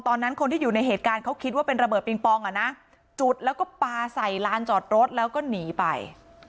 ตอนนั้นคนที่อยู่ในเหตุการณ์เขาคิดว่าเป็นระเบิดปิงปองอ่ะนะจุดแล้วก็ปลาใส่ลานจอดรถแล้วก็หนีไป